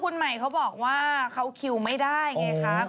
คุณใหม่เขาบอกว่าเขาคิวไม่ได้ไงครับ